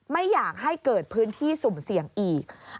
ไม่อยากให้เกิดพื้นที่สุ่มเสี่ยงอีก